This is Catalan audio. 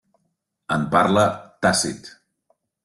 En parla Tàcit.